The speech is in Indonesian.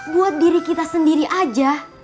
buat diri kita sendiri aja